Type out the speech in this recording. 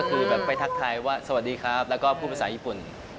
คือแบบไปทักทายว่าสวัสดีครับแล้วก็พูดภาษาญี่ปุ่น